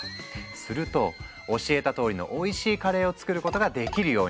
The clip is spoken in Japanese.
すると教えたとおりのおいしいカレーを作ることができるように。